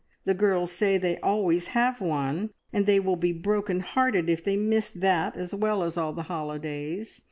The girls say they always have one, and they will be broken hearted if they miss that as well as all the holidays.